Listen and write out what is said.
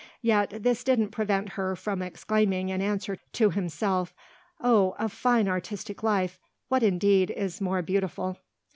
Yet this didn't prevent her from exclaiming in answer to himself: "Oh a fine artistic life what indeed is more beautiful?"